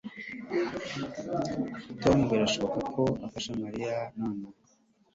Tom birashoboka ko afasha Mariya nonaha